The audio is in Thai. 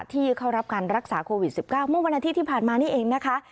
ที่เข้ารับการรักษาโควิด๑๙เมื่อวันอาทิตย์ที่ผ่านมานี่เองนะคะ